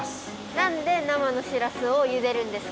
なんでなまのしらすをゆでるんですか？